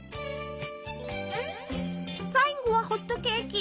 最後はホットケーキ！